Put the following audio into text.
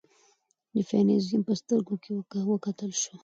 د فيمنيزم په سترګيو کې وکتل شو